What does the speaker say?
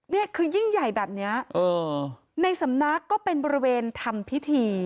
นี่คือยิ่งใหญ่แบบนี้ในสำนักก็เป็นบริเวณทำพิธี